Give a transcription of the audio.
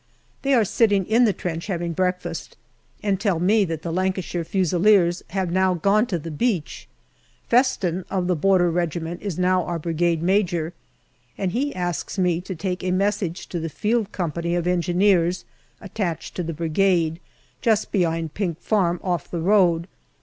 They are sitting in the trench having breakfast, and tell me that the Lancashire Fusiliers have now gone to the beach. Festin, of the Border Regi ment, is now our Brigade Major, and he asks me to take a message to the Field Company of Engineers attached to 76 GALLIPOLI DIARY the Brigade, just behind Pink Farm, off the road.